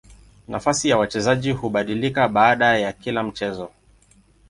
Nafasi ya wachezaji hubadilika baada ya kila mchezo.